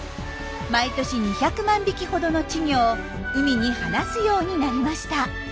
毎年２００万匹ほどの稚魚を海に放すようになりました。